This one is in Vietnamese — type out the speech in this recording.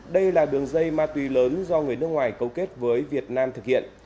đây là đường dây ma túy lớn do người nước ngoài cấu kết với việt nam thực hiện